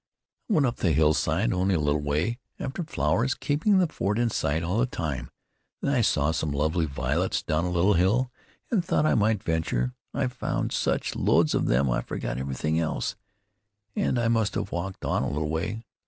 "I went up the hillside, only a little way, after flowers, keeping the fort in sight all the time. Then I saw some lovely violets down a little hill, and thought I might venture. I found such loads of them I forgot everything else, and I must have walked on a little way.